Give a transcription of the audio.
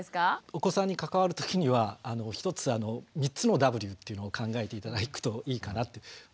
お子さんに関わるときにはひとつ３つのＷというのを考えて頂くといいかなって。